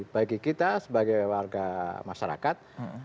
bagi kita sebagai warga masyarakat